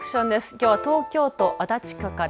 きょうは東京都足立区から。